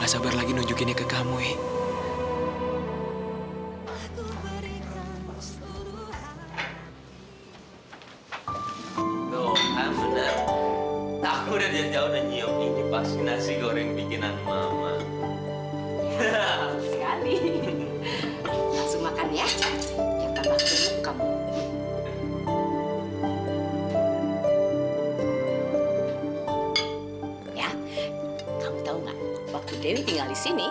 sampai jumpa di video selanjutnya